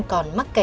còn mắc kẹt